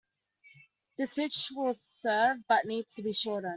The stitch will serve but needs to be shortened.